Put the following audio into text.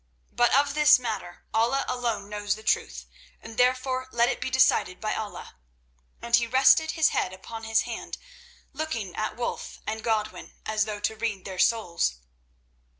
But of this matter Allah alone knows the truth, therefore let it be decided by Allah," and he rested his head upon his hand, looking at Wulf and Godwin as though to read their souls.